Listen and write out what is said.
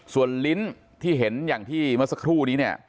ส่วนลิ้นที่เห็นอย่างที่เมื่อสักครู่นี้เนี่ย